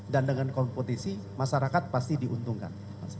dan dengan kompetisi masyarakat pasti diuntungkan